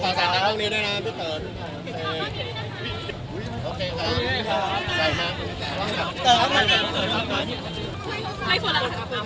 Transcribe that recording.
คุณสั่งแบบอย่าลองกันครับ